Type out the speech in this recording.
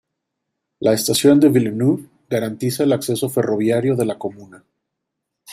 La estación de Villeneuve garantiza el acceso ferroviario de la comuna.